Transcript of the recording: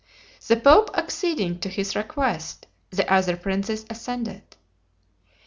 The pope acceding to his request, the other princes assented.